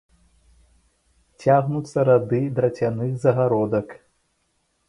Цягнуцца рады драцяных загародак.